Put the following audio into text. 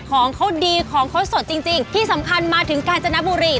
ของเขาดีของเขาสดจริงที่สำคัญมาถึงกาญจนบุรี